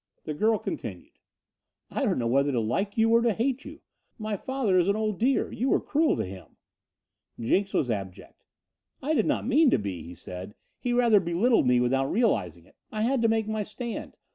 The girl continued: "I don't know whether to like you or to hate you. My father is an old dear. You were cruel to him." Jenks was abject. "I did not mean to be," he said. "He rather belittled me without realizing it. I had to make my stand.